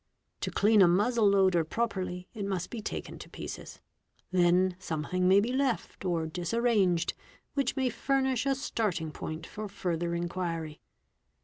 'T'o clean a muzzle loader properly, it must be taken to pieces ; hen something may be left or disarranged which may furnish a starting I bat for further inquiry.